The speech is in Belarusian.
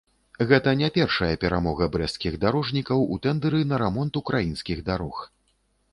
Гэта не першая перамога брэсцкіх дарожнікаў у тэндэры на рамонт украінскіх дарог.